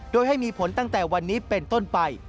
โดยให้มีผลตั้งแต่วันนี้เป็นต้นไป